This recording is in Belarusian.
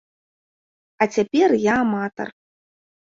А цяпер я аматар.